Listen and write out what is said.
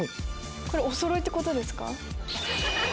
これおそろいってことですか？